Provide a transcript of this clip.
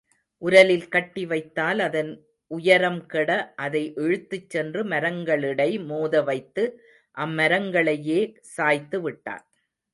உரலில் கட்டி வைத்தால் அதன் உயரம் கெட அதை இழுத்துச் சென்று மரங்களிடை மோத வைத்து அம்மரங்களையே சாய்த்துவிட்டான்.